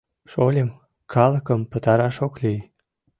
— Шольым, калыкым пытараш ок лий.